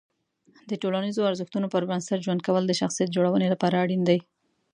د ټولنیزو ارزښتونو پر بنسټ ژوند کول د شخصیت جوړونې لپاره اړین دي.